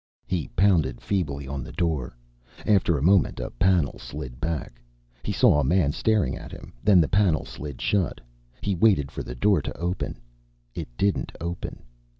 He pounded feebly on the door. After a moment, a panel slid back. He saw a man staring at him; then the panel slid shut. He waited for the door to open. It didn't open.